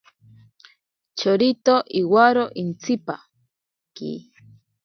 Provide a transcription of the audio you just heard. Chorito iwaro intsipaki.